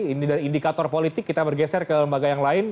ini dari indikator politik kita bergeser ke lembaga yang lain